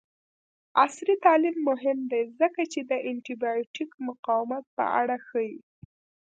عصري تعلیم مهم دی ځکه چې د انټي بایوټیک مقاومت په اړه ښيي.